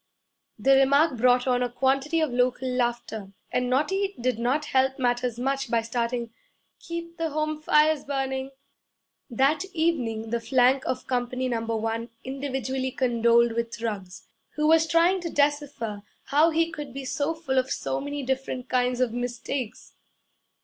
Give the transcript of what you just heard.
The remark brought on a quantity of local laughter, and Naughty did not help matters much by starting, 'Keep the home fires burning.' That evening the flank of Company Number 1 individually condoled with Ruggs, who was trying to decipher how he could be so full of so many different kinds of mistakes.